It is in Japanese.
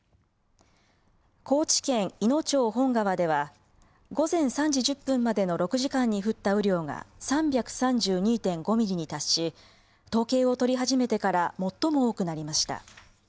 高知県いの町本川では午前３時１０分までの６時間に降った雨量が３３２．５ミリに達し統計を取り始めてから最も多くなりました。